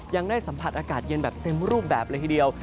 ยังได้สัมผัสอากาศเย็นแบบเต็มรูปแบบเลยทีเดียว